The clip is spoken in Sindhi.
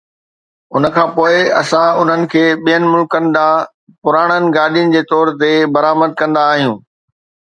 ان کان پوء اسان انهن کي ٻين ملڪن ڏانهن پراڻن گاڏين جي طور تي برآمد ڪندا آهيون